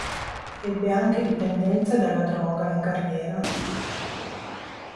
Ebbe anche dipendenza dalla droga in carriera.